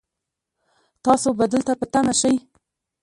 تاسو به دلته په تمه شئ